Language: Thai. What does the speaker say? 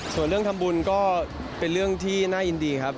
ส่วนเรื่องทำบุญก็เป็นเรื่องที่น่ายินดีครับ